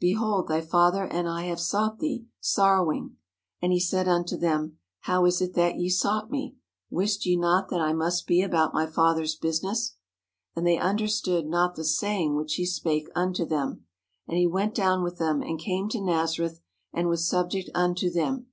Behold, thy father and I have sought thee, sorrowing. And he said unto them: How is it that ye sought me? Wist ye not that I must be about my father's business? And they understood not the saying which he spake unto them. And he went down with them and came to Nazareth, and was subject unto them.